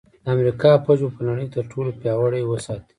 د امریکا پوځ به په نړۍ کې تر ټولو پیاوړی وساتي